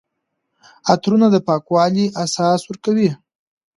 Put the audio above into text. عطرونه د پاکوالي احساس ورکوي.